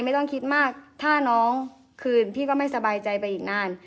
ไม่ต้องคิดมากถ้าน้องคืนพี่ก็ไม่สบายใจไปอีกนาน